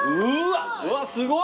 うわっすごい！